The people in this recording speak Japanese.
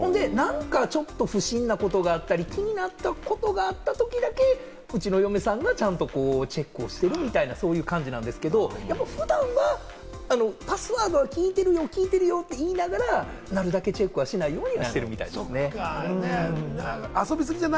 不審なこととか気になったことがあった時だけ、うちの嫁さんがちゃんとチェックしてるみたいな、そういう感じなんですけど、普段はパスワード聞いてるよ、聞いてるよと言いながら、俺だけチェックはしないようにしてるみたいですね。